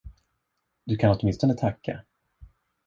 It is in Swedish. Du kan åtminstone tacka.